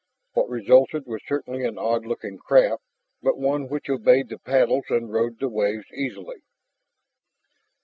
What resulted was certainly an odd looking craft, but one which obeyed the paddles and rode the waves easily.